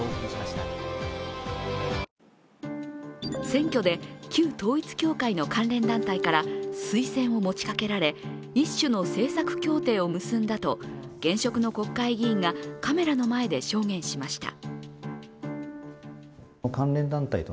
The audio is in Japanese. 選挙で旧統一教会の関連団体から推薦を持ちかけられ一種の政策協定を結んだと現職の国会議員がカメラの前で証言しました。